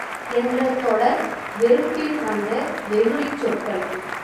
என்ற தொடர் வெறுப்பில் வந்த வெகுளிச் சொற்கள்.